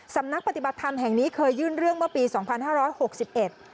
สำนักปฏิบัติธรรมแห่งนี้เคยยื่นเรื่องเมื่อปีสองพันห้าร้อยหกสิบเอ็ด